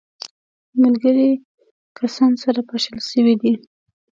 ملګري کسان سره پاشل سوي دي.